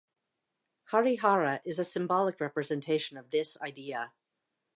Harihara is a symbolic representation of this idea.